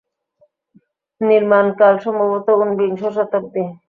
নির্মাণকাল সম্ভবত ঊনবিংশ শতাব্দী।